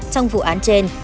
trong vụ án trên